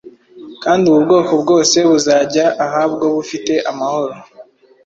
kandi ubu bwoko bwose buzajya ahabwo bufite amahoro.